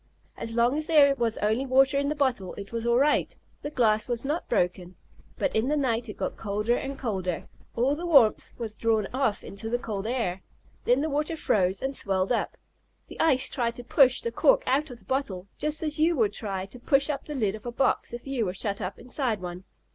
"As long as there was only water in the bottle it was all right, the glass was not broken. But in the night it got colder and colder. All the warmth was drawn off into the cold air. Then the water froze, and swelled up. The ice tried to push the cork out of the bottle, just as you would try to push up the lid of a box if you were shut up inside one."